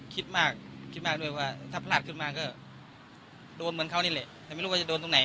คิดมากคิดมากด้วยว่าถ้าพลาดขึ้นมาก็โดนเหมือนเขานี่แหละแต่ไม่รู้ว่าจะโดนตรงไหน